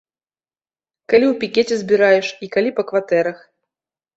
Калі ў пікеце збіраеш і калі па кватэрах.